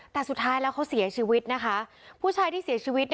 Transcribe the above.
แต่สุดท้ายก็เสียชีวิต